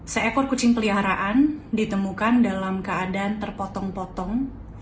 seekor kucing peliharaan ditemukan dalam keadaan terpotong potong